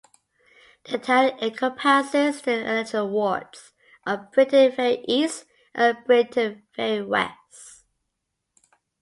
The town encompasses the electoral wards of "Briton Ferry East" and "Briton Ferry West".